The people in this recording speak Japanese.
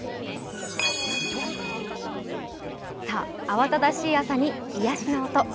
慌ただしい朝に癒やしの音。